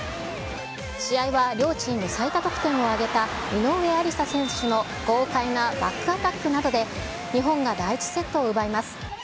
試合は両チーム最多得点を上げた井上愛里沙選手の豪快なバックアタックなどで、日本が第１セットを奪います。